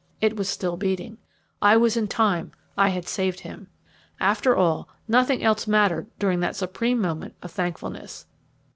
It was still beating. I was in time; I had saved him. After all, nothing else mattered during that supreme moment of thankfulness.